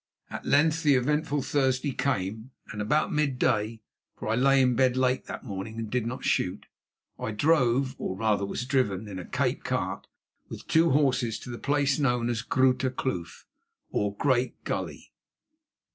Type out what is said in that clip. At length the eventful Thursday came, and about midday—for I lay in bed late that morning and did not shoot—I drove, or, rather, was driven, in a Cape cart with two horses to the place known as Groote Kloof or Great Gully.